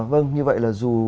vâng như vậy là dù